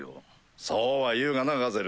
そうは言うがなガゼル。